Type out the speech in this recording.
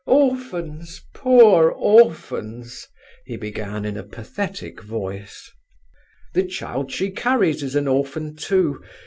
"Orphans, poor orphans!" he began in a pathetic voice. "The child she carries is an orphan, too.